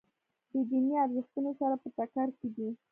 د دیني ارزښتونو سره په ټکر کې دي.